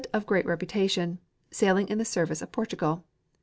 of great reputation, sailing in the service of Portugal.